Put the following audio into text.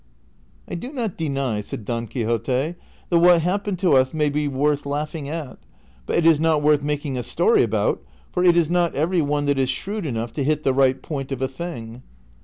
" I "do not deny," said Don Quixote, " that what happened to us may be worth laughing at, but it is not worth making a story about, for it is not every one that is shrewd enough to hit the right point of a thing."